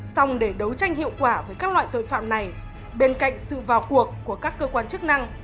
xong để đấu tranh hiệu quả với các loại tội phạm này bên cạnh sự vào cuộc của các cơ quan chức năng